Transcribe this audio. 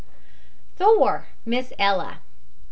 THOR, MISS ELLA.